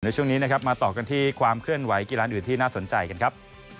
ช่วงนี้นะครับมาต่อกันที่ความเคลื่อนไหวกีฬานอื่นที่น่าสนใจกันครับ